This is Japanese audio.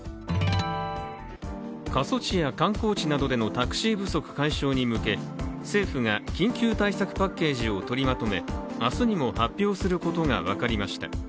過疎地や観光地などでのタクシー不足解消に向け政府が緊急対策パッケージをとりまとめ明日にも発表することが分かりました。